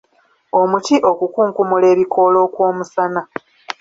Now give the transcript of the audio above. Omuti okukunkumula ebikoola okw’omusana.